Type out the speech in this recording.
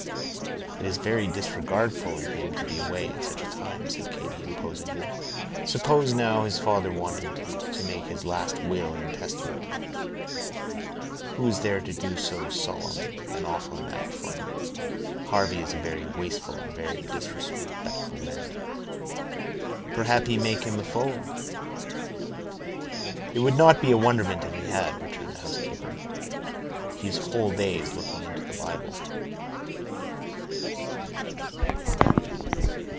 "It is very disregardful in him to be away at such a time," said Katy, imposingly. "Suppose now his father wanted to make his last will in the testament, who is there to do so solemn and awful an act for him? Harvey is a very wasteful and very disregardful man!" "Perhap he make him afore?" "It would not be a wonderment if he had," returned the housekeeper; "he is whole days looking into the Bible."